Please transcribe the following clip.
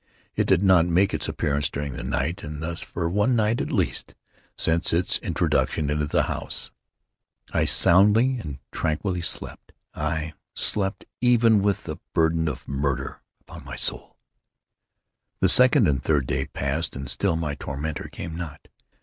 It did not make its appearance during the night; and thus for one night at least, since its introduction into the house, I soundly and tranquilly slept; aye, slept even with the burden of murder upon my soul! The second and the third day passed, and still my tormentor came not.